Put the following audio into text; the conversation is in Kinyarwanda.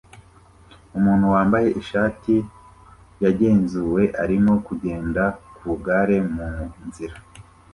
Umuntu wambaye ishati yagenzuwe arimo kugenda ku igare mu nzira